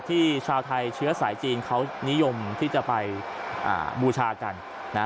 ชาวไทยเชื้อสายจีนเขานิยมที่จะไปบูชากันนะฮะ